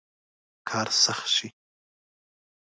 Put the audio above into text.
کار سخت شي.